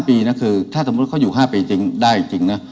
ปีนะคือถ้าสมมุติเขาอยู่๕ปีจริงได้จริงนะ